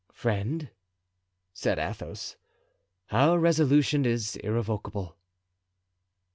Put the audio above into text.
"Friend," said Athos, "our resolution is irrevocable."